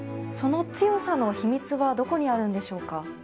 その強さの秘密はどこにあるんでしょうか。